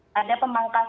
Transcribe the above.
jadi itu harusnya dipangkas